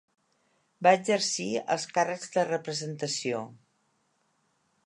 Va exercir els càrrecs de representació.